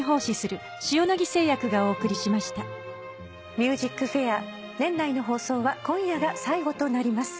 『ＭＵＳＩＣＦＡＩＲ』年内の放送は今夜が最後となります。